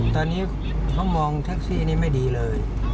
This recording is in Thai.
ตอนนี้เขามองแท็กซี่นี่ไม่ดีเลย